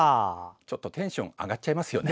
ちょっとテンション上がっちゃいますよね。